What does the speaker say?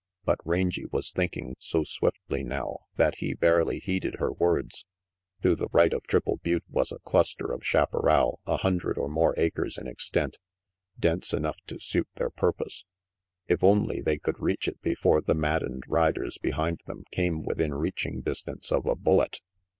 But Rangy was thinking so swiftly now that he barely heeded her words. To the right of Triple Butte was a cluster of chaparral a hundred or more acres in extent, dense enough to suit their purpose. If only they could reach it before the maddened riders behind them came within reaching distance of a bullet!